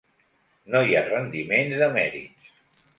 No hi ha rendiments de mèrits.